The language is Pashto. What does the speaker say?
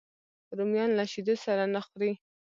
رومیان له شیدو سره نه خوري